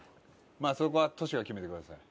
まあそこはトシが決めてください。